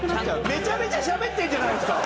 めちゃめちゃしゃべってんじゃないですか！